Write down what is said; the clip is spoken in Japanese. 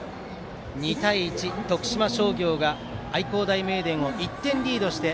２対１、徳島商業が愛工大名電を１点リードして